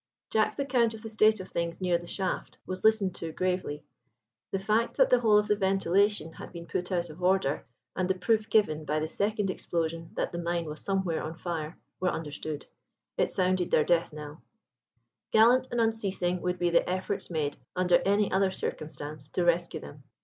Jack's account of the state of things near the shaft was listened to gravely. The fact that the whole of the ventilation had been put out of order, and the proof given by the second explosion that the mine was somewhere on fire, were understood. It sounded their death knell. Gallant and unceasing would be the efforts made under any other circumstance to rescue them.